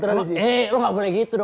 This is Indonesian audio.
hei lo gak boleh gitu